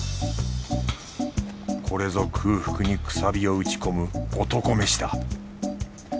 これぞ空腹にくさびを打ち込む男メシだ。